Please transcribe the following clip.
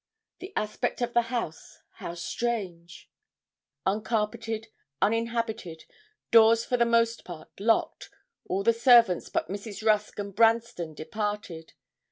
The aspect of the house how strange! Uncarpeted, uninhabited, doors for the most part locked, all the servants but Mrs. Rusk and Branston departed.